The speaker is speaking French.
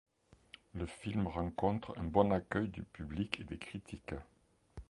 Le film rencontre un bon accueil du public et des critiques.